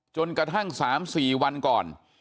จนกระทั่ง๓๔วันก่อน